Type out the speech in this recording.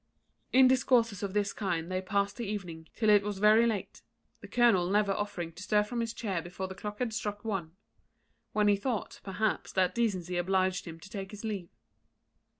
In discourses of this kind they passed the evening, till it was very late, the colonel never offering to stir from his chair before the clock had struck one; when he thought, perhaps, that decency obliged him to take his leave.